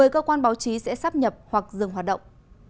một mươi cơ quan báo chí sẽ sắp nhập hoặc dừng hoạt động